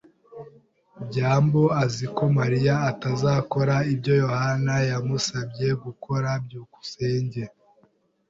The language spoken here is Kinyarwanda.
byambo azi ko Mariya atazakora ibyo Yohana yamusabye gukora. byukusenge